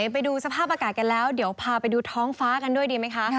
ไปดูสภาพอากาศกันแล้วเดี๋ยวพาไปดูท้องฟ้ากันด้วยดีไหมคะ